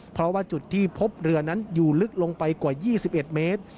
เพราะว่าจุดที่พบเรือนั้นอยู่ลึกลงไปกว่า๒๑เมตร